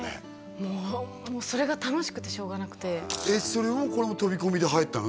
もうそれが楽しくてしょうがなくてえっこれも飛び込みで入ったの？